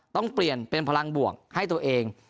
ต้องเปลี่ยนเป็นพลังบวกให้ตัวเอง